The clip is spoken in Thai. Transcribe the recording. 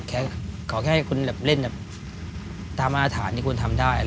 ขอแค่ให้คุณเล่นตามอาธารที่คุณทำได้